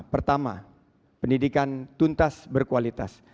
pertama pendidikan tuntas berkualitas